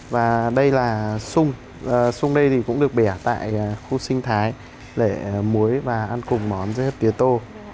và đây là sung sung đây cũng được bẻ tại khu sinh thái để muối và ăn cùng món dê hấp tiếu tô